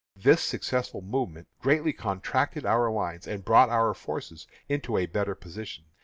This successful movement greatly contracted our lines, and brought our forces into a better position.